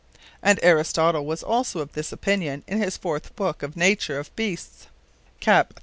And Aristotle was also of this opinion in his fourth Booke of the Nature of Beasts, _cap.